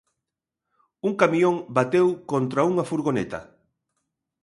Un camión bateu contra unha furgoneta.